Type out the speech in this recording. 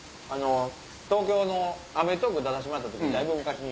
東京の『アメトーーク！』出させてもらった時だいぶ昔に。